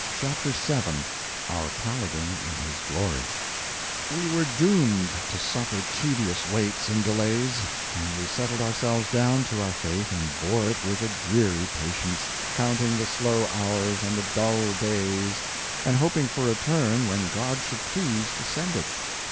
Chapter 7 Our Paladin in His Glory WE WERE doomed to suffer tedious waits and delays, and we settled ourselves down to our fate and bore it with a dreary patience, counting the slow hours and the dull days and hoping for a turn when God should please to send it.